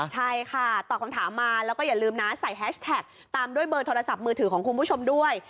ใช่ค่ะตอบคำถามมาแล้วก็อย่าลืมนะใส่แฮชแท็กตามด้วยเบอร์โทรศัพท์มือถือของคุณผู้ชมด้วย